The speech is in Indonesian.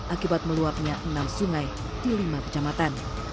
akibat meluapnya enam sungai di lima kecamatan